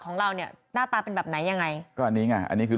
ของเราเนี่ยหน้าตาเป็นแบบไหนยังไงก็อันนี้ไงอันนี้คือ